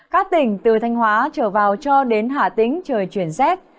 các tỉnh từ thanh hóa trở vào cho đến hạ tính trời chuyển xét